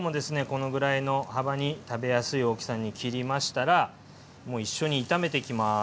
このぐらいの幅に食べやすい大きさに切りましたらもう一緒に炒めていきます。